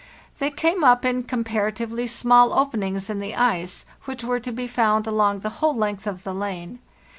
They came up in comparatively small openings in the ice, which were to be found along the whole length of the lane.